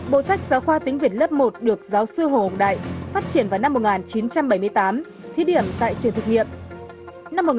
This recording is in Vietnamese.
bộ sách giáo khoa tính viện lớp một được giáo sư hồng học đại phát triển vào năm một nghìn chín trăm bảy mươi tám thí điểm tại trường thực nghiệm